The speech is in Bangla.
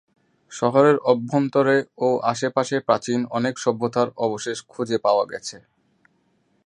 শহরের অভ্যন্তরে ও আশেপাশে প্রাচীন অনেক সভ্যতার অবশেষ খুঁজে পাওয়া গেছে।